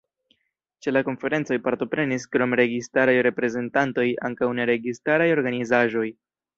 Ĉe la konferencoj partoprenis krom registaraj reprezentantoj ankaŭ neregistaraj organizaĵoj.